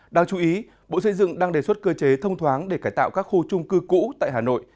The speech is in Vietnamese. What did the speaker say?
đáng chú ý bộ xây dựng đang đề xuất cơ chế thông thoáng để cải tạo các khu trung cư cũ tại hà nội